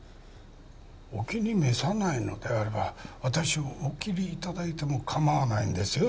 お気に召さないのであれば私をお切りいただいても構わないんですよ